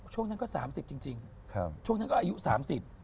ช่วงนั้นก็สามสิบจริงจริงครับช่วงนั้นก็อายุสามสิบ